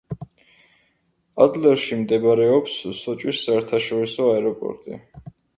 ადლერში მდებარეობს სოჭის საერთაშორისო აეროპორტი.